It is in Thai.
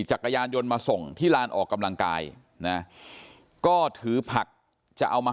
จักรยานยนต์มาส่งที่ลานออกกำลังกายนะก็ถือผักจะเอามา